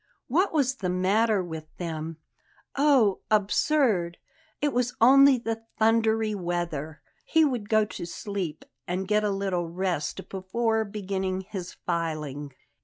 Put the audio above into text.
What was the matter with them? Oh, absurd! It was only the thundery weather. He would go to sleep and get a little rest before beginning his filing.